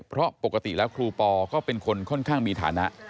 เพราะปกติแล้วครูปอก็เป็นคนค่อนข้างมีฐานะ